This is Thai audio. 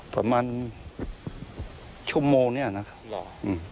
ประมาณชบโมงนี่นะครับ